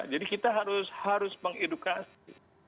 jadi kita harus mengedukasi